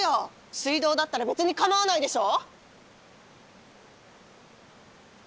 水道だったら別にかまわないでしょ？